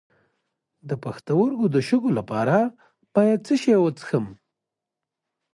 د پښتورګو د شګو لپاره باید څه شی وڅښم؟